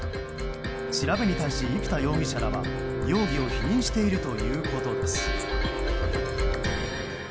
調べに対し生田容疑者らは容疑を否認しているということです。